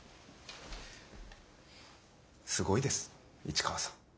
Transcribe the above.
すごいです市川さん。